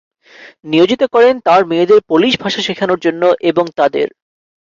নিয়োজিত করেন তাঁর মেয়েদের পোলিশ ভাষা শেখানোর জন্য এবং তাদের